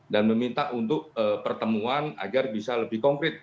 dan meminta untuk pertemuan agar bisa lebih konkret